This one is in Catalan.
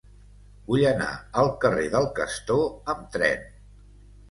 Vull anar al carrer del Castor amb tren.